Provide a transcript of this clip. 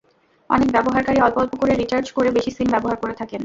অনেক ব্যবহারকারী অল্প অল্প করে রিচার্জ করে বেশি সিম ব্যবহার করে থাকেন।